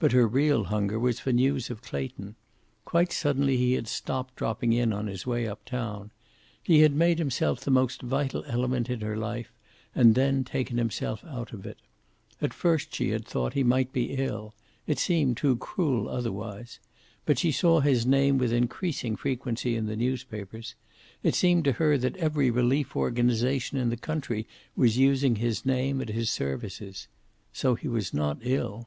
But her real hunger was for news of Clayton. Quite suddenly he had stopped dropping in on his way up town. He had made himself the most vital element in her life, and then taken himself out of it. At first she had thought he might be ill. It seemed too cruel otherwise. But she saw his name with increasing frequency in the newspapers. It seemed to her that every relief organization in the country was using his name and his services. So he was not ill.